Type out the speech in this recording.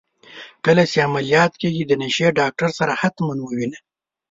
کله چي عمليات کيږې د نشې ډاکتر سره حتما ووينه.